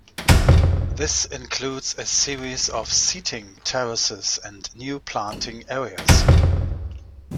This includes a series of seating terraces and new planting areas.